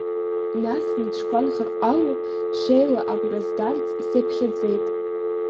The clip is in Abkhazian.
Нас снацәақәа нхарҟәало, ҽеила агәра згарц исыԥхьаӡеит.